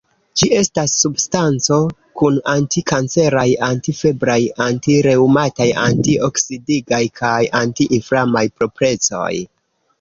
Ĝi estas substanco kun anti-kanceraj, anti-febraj, anti-reŭmataj, anti-oksidigaj kaj anti-inflamaj proprecoj.